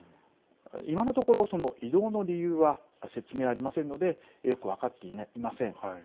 今のところ、その異動の理由は説明はありませんのでよく分かっていません。